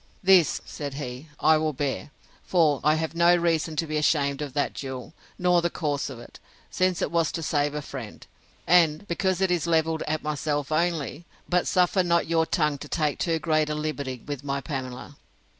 This, said he, I will bear; for I have no reason to be ashamed of that duel, nor the cause of it; since it was to save a friend, and because it is levelled at myself only: but suffer not your tongue to take too great a liberty with my Pamela.